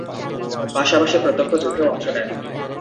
পাশাপাশি প্রত্যক্ষ যুদ্ধেও অংশ নেন।